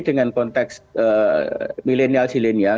dengan konteks milenial jilenial